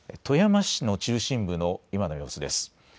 富山市の中心部の今の様子です。